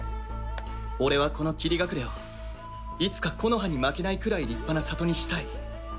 俺はこの霧隠れをいつか木ノ葉に負けないくらい立派な里にしたい。